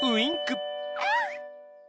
うん！